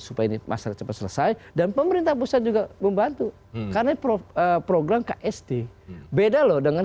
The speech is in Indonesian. supaya masyarakat selesai dan pemerintah pusat juga membantu karena program ksd beda loh dengan